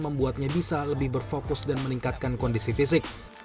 membuatnya bisa lebih berfokus dan meningkatkan kondisi fisik